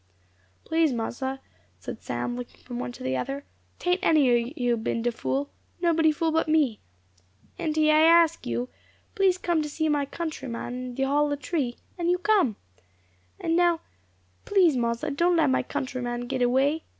"Please, mossa," said Sam, looking from one to the other, "'tain't any o' you been de fool. Nobody fool but me. Enty I ax you,[#] please come see my countryman in de hollow tree; and you come? And now, please, mossa, don't let my countryman git away.